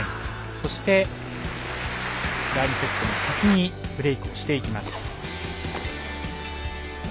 そして、第２セットも先にブレークしていきます。